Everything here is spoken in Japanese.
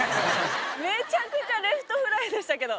めちゃくちゃレフトフライでしたけど。